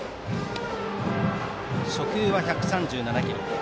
初球は１３７キロ。